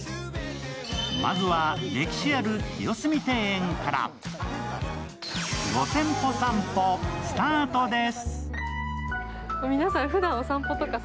まずは歴史ある清澄庭園から５０００歩さんぽスタートです。